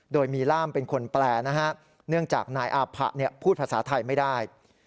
โดยมีล่ามเป็นคนแปลนะฮะเนื่องจากนายอาผะพูดภาษาไทยไม่ได้